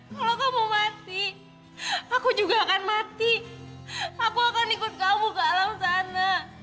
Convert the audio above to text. kalau kamu mati aku juga akan mati aku akan ikut kamu ke alam sana